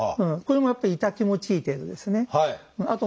これもやっぱ痛気持ちいい程度ですね。